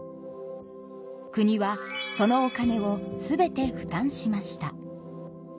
国はそのお金を全て負担しました。